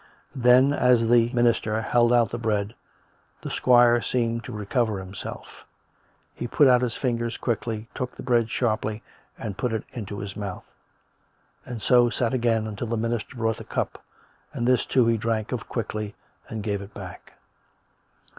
Then, as the minister held out the bread, the squire seemed to recover himself; he put out his fingers quickly, took the bread sharply and put it into his mouth; and so sat again, until the minister brought the cup; and this, too, he drank of quickly, and gave it back. 88 COME RACK!